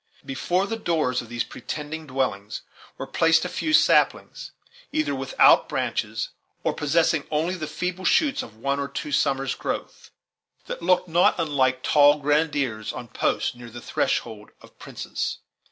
Before the doors of these pretending dwellings were placed a few saplings, either without branches or possessing only the feeble shoots of one or two summers' growth, that looked not unlike tall grenadiers on post near the threshold of princes.